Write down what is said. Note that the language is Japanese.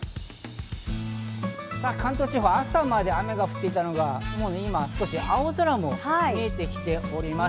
関東地方は朝まで雨が降っていたのが、今は青空も見えてきております。